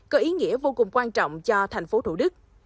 có ý nghĩa vô cùng quan trọng cho thành phố thủ đức